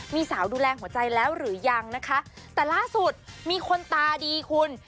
มีสาวดูแลหัวใจแล้วหรือยังนะคะแต่ล่าสุดมีคนตาดีคุณ